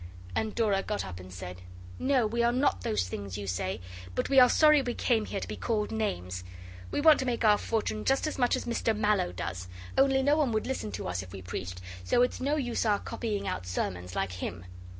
And Dora got up and said, 'No, we are not those things you say; but we are sorry we came here to be called names. We want to make our fortune just as much as Mr Mallow does only no one would listen to us if we preached, so it's no use our copying out sermons like him.